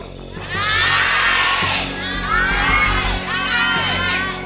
ได้